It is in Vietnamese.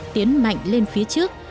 tiến mạnh lên phía trước